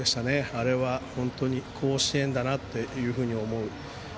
あれは甲子園だなというふうに思う